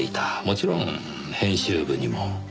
もちろん編集部にも。